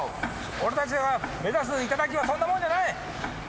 俺たちが目指す頂はそんなもんじゃない！